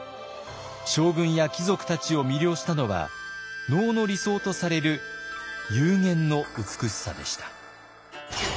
将軍や貴族たちを魅了したのは能の理想とされる幽玄の美しさでした。